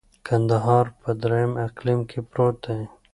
کندهار په دریم اقلیم کي پروت دی.